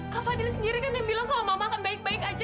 kak fadil sendiri kan yang bilang kalau mama akan baik baik aja